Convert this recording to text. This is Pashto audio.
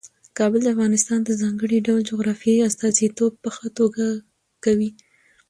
کابل د افغانستان د ځانګړي ډول جغرافیې استازیتوب په ښه توګه کوي.